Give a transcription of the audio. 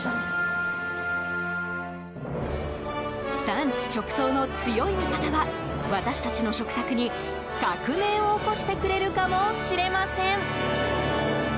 産地直送の強い味方は私たちの食卓に、革命を起こしてくれるかもしれません。